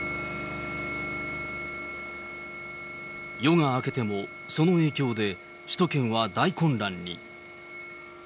夜が明けても、その影響で、首都圏は大混乱に。